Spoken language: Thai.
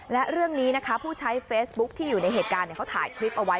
และเรื่องนี้นะคะผู้ใช้เฟซบุ๊คที่อยู่ในเหตุการณ์เขาถ่ายคลิปเอาไว้